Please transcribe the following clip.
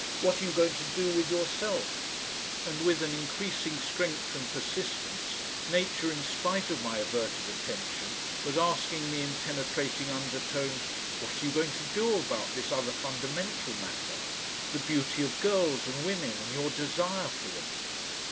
What are you going to do with yourself? and with an increasing strength and persistence Nature in spite of my averted attention was asking me in penetrating undertones: what are you going to do about this other fundamental matter, the beauty of girls and women and your desire for them?